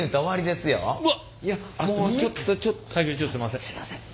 すいません。